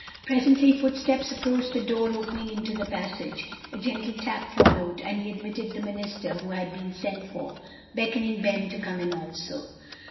Presently footsteps approached the door opening into the passage, a gentle tap followed, and he admitted the minister who had been sent for, beckoning Ben to come in also.